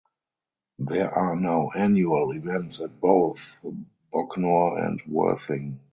There are now annual events at both Bognor and Worthing.